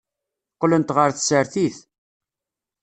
Qqlent ɣer tsertit.